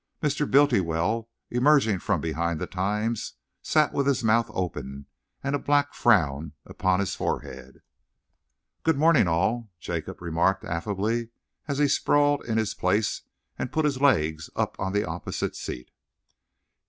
Mr. Bultiwell, emerging from behind the Times, sat with his mouth open and a black frown upon his forehead. "Good morning, all," Jacob remarked affably, as he sprawled in his place and put his legs up on the opposite seat.